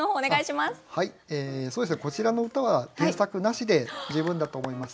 こちらの歌は添削なしで十分だと思います。